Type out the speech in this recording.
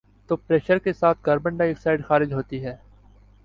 تو pressure کے ساتھ کاربن ڈائی آکسائیڈ خارج ہوتی ہے